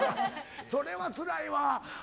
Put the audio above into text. それはつらいわ。